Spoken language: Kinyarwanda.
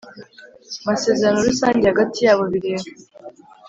masezerano rusange hagati y abo bireba